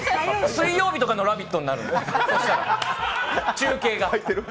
水曜日とかの「ラヴィット！」になるんですか、中継は。